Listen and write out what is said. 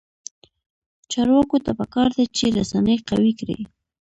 چارواکو ته پکار ده چې، رسنۍ قوي کړي.